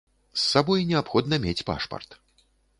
З сабой неабходна мець пашпарт.